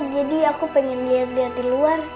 jadi aku pengen liat liat di luar